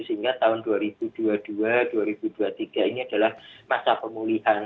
sehingga tahun dua ribu dua puluh dua dua ribu dua puluh tiga ini adalah masa pemulihan